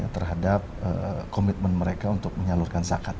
terhadap komitmen mereka untuk menyalurkan zakat